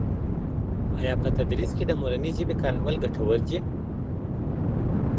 آیا په تدریس کي د مورنۍ ژبې کارول ګټور دي؟